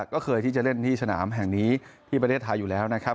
ก็เคยที่จะเล่นที่สนามแห่งนี้ที่ประเทศไทยอยู่แล้วนะครับ